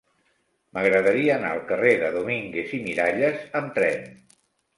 M'agradaria anar al carrer de Domínguez i Miralles amb tren.